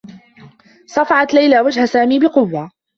صفعت ليلى وجه سامي بقوّة.